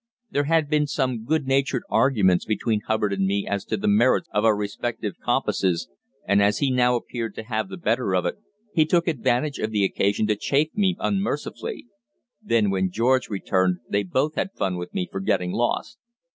There had been some good natured arguments between Hubbard and me as to the merits of our respective compasses, and as he now appeared to have the better of it, he took advantage of the occasion to chaff me unmercifully. Then when George returned they both had fun with me for getting lost.